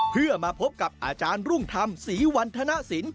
เพื่อมาพบกับอาจารย์รุ่งธรรมศรีวันธนสิน